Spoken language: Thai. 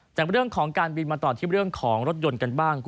จากเรื่องของการบินมาต่อที่เรื่องของรถยนต์กันบ้าง